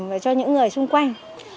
và cho những người xung quanh